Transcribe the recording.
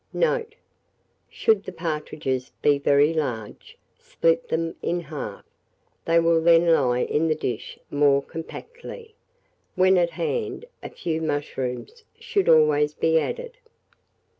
Note. Should the partridges be very large, split them in half; they will then lie in the dish more compactly. When at hand, a few mushrooms should always be added.